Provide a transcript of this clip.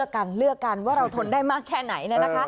กันเลือกกันว่าเราทนได้มากแค่ไหน